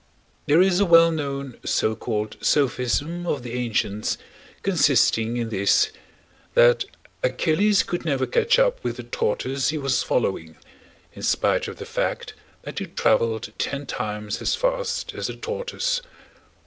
There is a well known, so called sophism of the ancients consisting in this, that Achilles could never catch up with a tortoise he was following, in spite of the fact that he traveled ten times as fast as the tortoise.